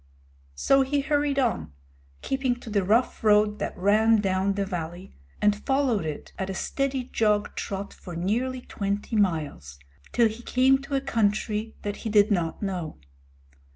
So he hurried on, keeping to the rough road that ran down the valley, and followed it at a steady jog trot for nearly twenty miles, till he came to a country that he did not know.